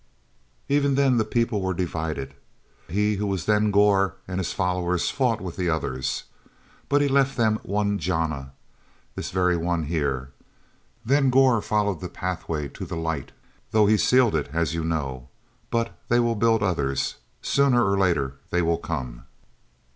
Even then the people were divided. He who was then Gor and his followers fought with the others. But he left them one jana—this very one here. Then Gor followed the Pathway to the Light, though he sealed it as you know. But—but they will build others. Sooner or later they will come."